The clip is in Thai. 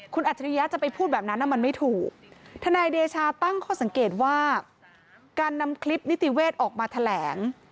คุณอัจฉริยะจะไปพูดแบบนั้นมันไม่ถูกทนายเดชาตั้งข้อสังเกตว่าการนำคลิปนิติเวศออกมาแถลง